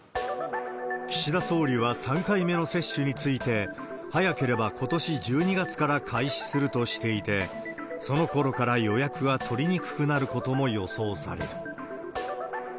岸田総理は３回目の接種について、早ければことし１２月から開始するとしていて、そのころから予約は取りにくくなることも予想される。